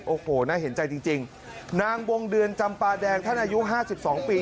โอ้โหน่าเห็นใจจริงจริงนางวงเดือนจำปลาแดงท่านอายุ๕๒ปี